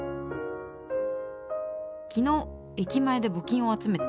昨日駅前で募金を集めてた。